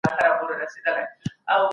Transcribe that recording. پرشتي د انسانانو ساتنه کوي.